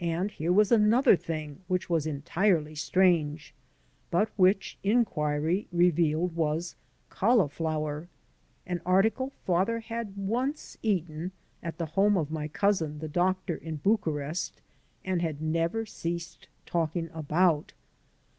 And here was another thing which was entirely strange, but which inquiry revealed was cauli flower — ^an article father had once eaten at the home of my cousin, the doctor, in Bucharest and had never ceased talking about.